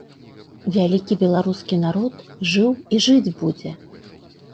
Вялікі беларускі народ жыў і жыць будзе.